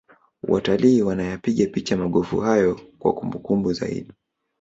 watalii wanayapiga picha magofu hayo kwa kumbukumbu zaidi